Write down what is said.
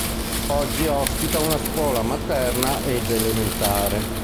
Oggi ospita una scuola materna ed elementare.